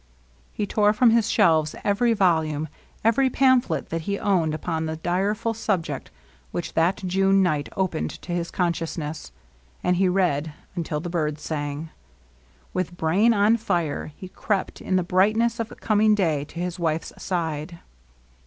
He tore from his shelves every volume, every pamphlet that he owned upon the direful subject which that June night opened to his consciousness ; and he read until the birds sang. With brain on fire, he crept, in the brightness of coming day, to his wife's side.